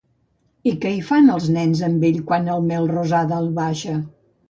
I què hi fan els nens amb ell quan en Melrosada el baixa?